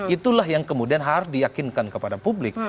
itulah yang kemudian harus diyakinkan kepada publik